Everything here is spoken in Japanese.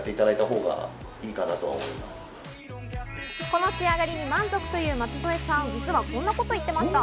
この仕上がりに満足という松添さん、実はこんなことを言っていました。